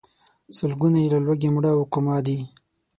سلګونه یې له لوږې مړه او کوما دي.